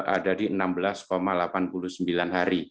ada di enam belas delapan puluh sembilan hari